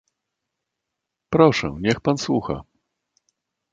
"Proszę, niech pan słucha."